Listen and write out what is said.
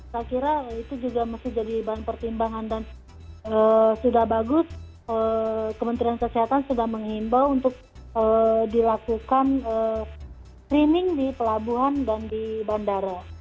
saya kira itu juga mesti jadi bahan pertimbangan dan sudah bagus kementerian kesehatan sudah mengimbau untuk dilakukan screening di pelabuhan dan di bandara